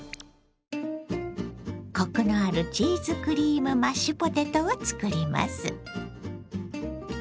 コクのあるチーズクリームマッシュポテトを作ります。